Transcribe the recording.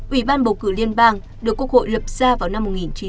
ủy ban bầu cử liên bang được quốc hội lập ra vào năm một nghìn chín trăm bảy mươi